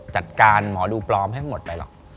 จัดการหมอดูปลอมให้หมดไปหรอก